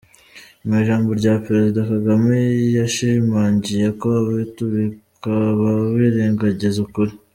Mu ijambo rye, Perezida Kagame, yashimangiye ko abatibuka baba birengagiza ukuri.